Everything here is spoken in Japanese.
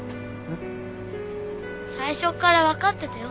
最初っからわかってたよ